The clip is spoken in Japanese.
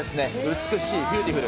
美しい、ビューティフル。